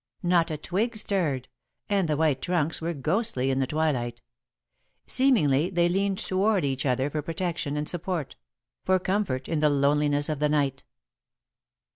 Not a twig stirred, and the white trunks were ghostly in the twilight. Seemingly they leaned toward each other for protection and support; for comfort in the loneliness of the night.